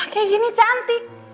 kayak gini cantik